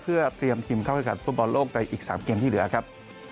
เพื่อเตรียมทีมเข้าแข่งขันฟุตบอลโลกในอีก๓เกมที่เหลือครับ